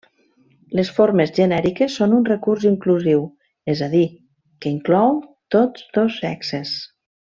Les formes genèriques són un recurs inclusiu, és a dir, que inclou tots dos sexes.